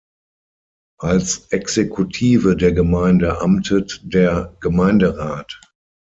Als Exekutive der Gemeinde amtet der "Gemeinderat".